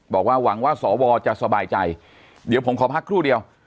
บอกว่าหวังว่าสวจะสบายใจเดี๋ยวผมขอพักครู่เดียว